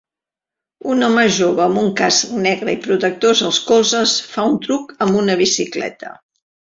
Un home jove amb un casc negre i protectors als colzes fa un truc amb una bicicleta